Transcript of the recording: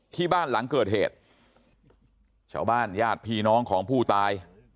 ที่บ้านหลังเกิดเหตุชาวบ้านญาติพี่น้องของผู้ตาย